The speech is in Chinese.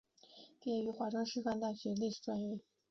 毕业于华中师范大学历史学专业。